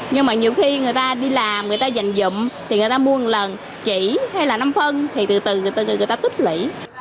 nhưng mà nhiều khi người ta đi làm người ta dành dụng thì người ta mua một lần chỉ hay là năm phân thì từ từ người ta tích lũy